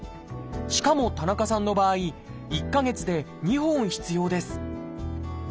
しかも田中さんの場合１か月で２本必要です。